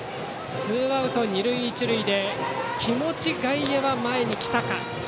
ツーアウト、二塁一塁で気持ち外野は前に来たか。